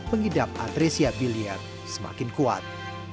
mengidap atresia biliar semakin kuat